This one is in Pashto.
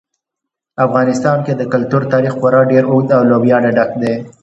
په افغانستان کې د کلتور تاریخ خورا ډېر اوږد او له ویاړه ډک دی.